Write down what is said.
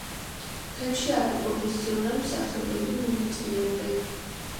ფილმში არაპროფესიონალი მსახიობები მონაწილეობენ.